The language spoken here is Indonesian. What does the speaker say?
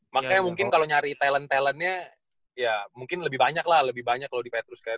makanya mungkin kalau nyari talent talentnya ya mungkin lebih banyak lah lebih banyak kalau di petrus kan